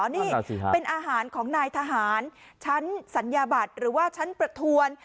นี่เป็นอาหารของนายทหารชั้นสัญญาบัตรหรือว่าชั้นประทวน